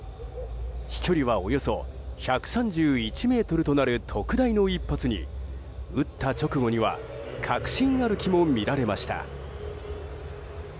飛距離はおよそ１３１ｍとなる特大の一発に打った直後には確信歩きも見られました。